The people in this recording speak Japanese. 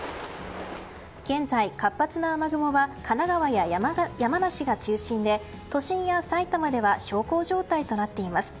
現在、活発な雨雲は神奈川や山梨が中心で都心や埼玉では小康状態となっています。